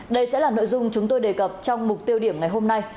đây sẽ là nội dung chúng tôi đề cập trong mục tiêu điểm ngày hôm nay